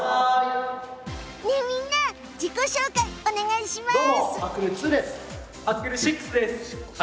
みんな自己紹介をお願いします！